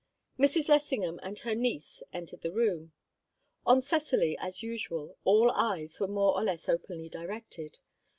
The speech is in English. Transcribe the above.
Mrs. Lessingham and her niece entered the room. On Cecily, as usual, all eyes were more or less openly directed.